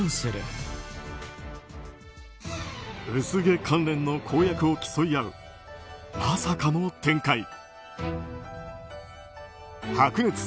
薄毛関連の公約を競い合うまさかの展開。